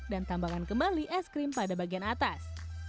dan tambahkan kembali es krim pada bagian atas